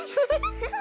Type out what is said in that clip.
フフフ。